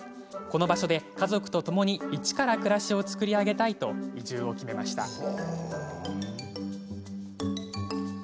この場所で、家族とともに一から暮らしを作り上げたいと移住を決めました。